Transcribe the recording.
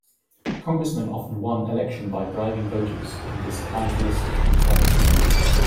Congressmen often won election by bribing voters in this clientelistic and corrupt system.